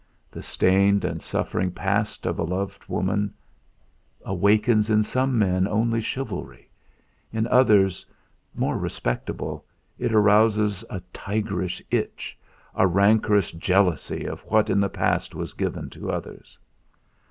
The stained and suffering past of a loved woman awakens in some men only chivalry; in others, more respectable, it rouses a tigerish itch, a rancorous jealousy of what in the past was given to others.